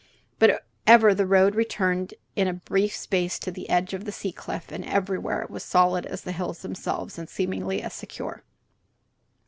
But ever the road returned in a brief space to the edge of the sea cliff, and everywhere it was solid as the hills themselves, and seemingly as secure.